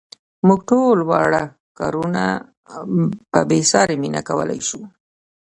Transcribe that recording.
موږ ټول واړه کارونه په بې ساري مینه کولای شو.